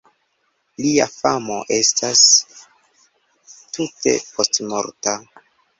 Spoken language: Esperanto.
Lia famo estas tute postmorta.